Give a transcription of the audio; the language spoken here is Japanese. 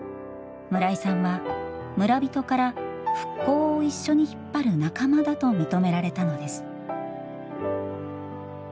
村井さんは村人から復興を一緒に引っ張る仲間だと認められたのです。